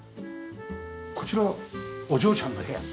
こちらはお嬢ちゃんの部屋。